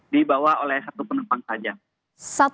dibawa oleh satu penumpang saja